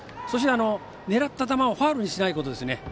そして狙った球をファウルにしないことですね。